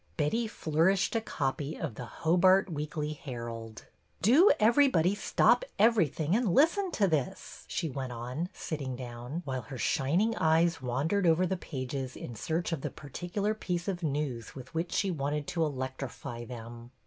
Betty flourished a copy of The Hobart Weekly Herald. '' Do everybody stop everything and listen to this I " she went on, sitting down, while her shin ing eyes wandered over the pages in search of the particular piece of news with which she wanted to electrify them.